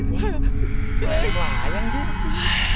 kayak yang layan gerti